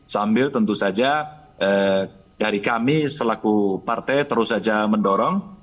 sambil tentu saja dari kami selaku partai terus saja mendorong